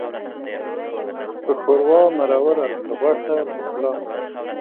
په ښوروا مروره، په غوښه پخلا.